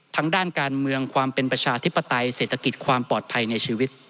ด้านการเมืองความเป็นประชาธิปไตยเศรษฐกิจความปลอดภัยในชีวิต